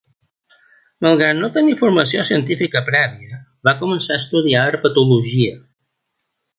Malgrat no tenir formació científica prèvia, va començar a estudiar Herpetologia.